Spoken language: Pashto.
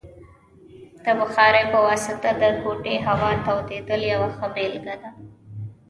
د بخارۍ په واسطه د کوټې هوا تودیدل یوه ښه بیلګه ده.